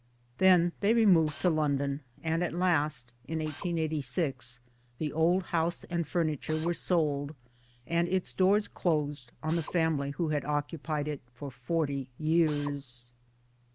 Then they removed to London, and at last (in 1886) the old house and furniture were sold and its doors closed on the family who had occupied it for forty years.